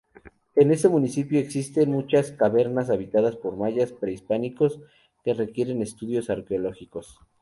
En este municipio existen muchas cavernas habitadas por mayas prehispánicos que requieren estudios arqueológicos.